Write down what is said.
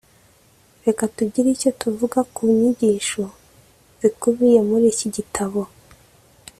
Reka tugire icyo tuvuga ku nyigisho zikubiye muri iki gitabo.